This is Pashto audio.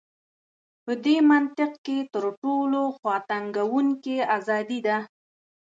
په دې منطق کې تر ټولو خواتنګوونکې ازادي ده.